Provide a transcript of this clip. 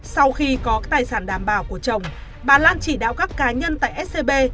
sau khi có tài sản đảm bảo của chồng bà lan chỉ đạo các cá nhân tại scb